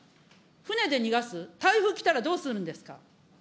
船で逃がす、台風来たらどうするんですか。